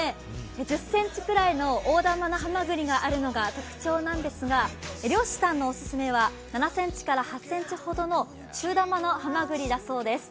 １０ｃｍくらいの大玉のハマグリがあるのが特徴なんですが、漁師さんのオススメは７ｃｍから８ｃｍほどの中玉のはまぐりだそうです。